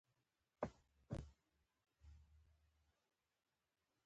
تر لکونو یې اوښتي وه پوځونه